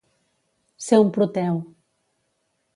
Ser un Proteu.